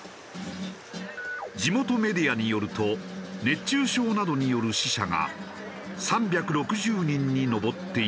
地元メディアによると熱中症などによる死者が３６０人に上っているという。